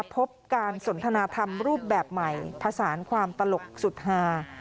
พบการสนทนาธรรมรูปแบบใหม่ผสานความตลกสุดฮา